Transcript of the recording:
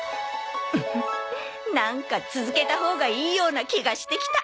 なんか続けたほうがいいような気がしてきた。